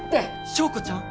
昭子ちゃん？